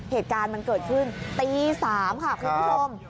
เหตุการณ์มันเกิดขึ้นตี๓ค่ะคุณผู้ชม